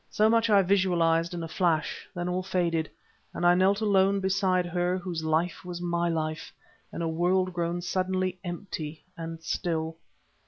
So much I visualized in a flash; then all faded, and I knelt alone beside her whose life was my life, in a world grown suddenly empty and still.